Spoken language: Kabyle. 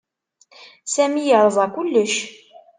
Sami yerẓa kullec.